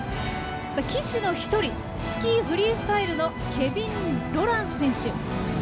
旗手の１人スキー・フリースタイルのケビン・ロラン選手。